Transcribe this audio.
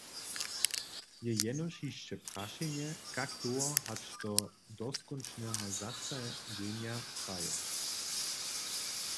Je jenož hišće prašenje, kak dołho hač do doskónčneho zastajenja traje.